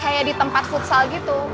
kayak di tempat food salon gitu